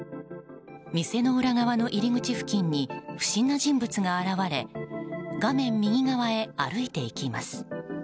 店の裏側の入り口付近に不審な人物が現れ画面右側へ歩いていきます。